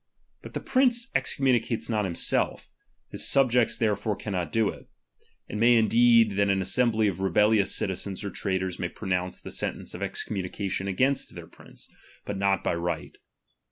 But the prince excommu nicates not himself ; his subjects therefore cannot do it. It may be indeed, that an assembly of re bellious citizens or traitors may pronounce the sentence of excommunication against their prince ; but not hy right.